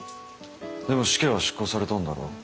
でも死刑は執行されたんだろ？